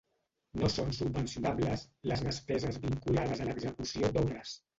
No són subvencionables les despeses vinculades a l'execució d'obres.